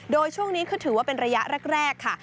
โดยช่วงนี้คือถือว่าเป็นระยะแรกค่ะ